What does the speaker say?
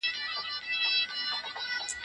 ما تېره اونۍ یو نوی کندهاري کالی واخیستی.